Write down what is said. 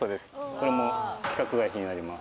これも規格外品になります。